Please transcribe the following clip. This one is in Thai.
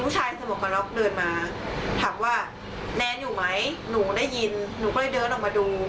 ฉันก็เดินกลับหลังเขาก็ขับรถไป